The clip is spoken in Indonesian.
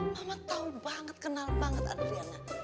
mama tahu banget kenal banget adriana